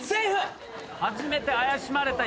初めて怪しまれた。